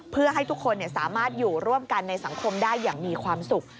เพื่อให้ทุกคนสามารถอยู่ร่วมกันในสังคมได้อย่างมีความสุข